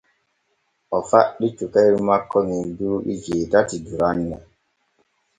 O faɗɗi cukayel makko ŋe duuɓi jeetati duranne.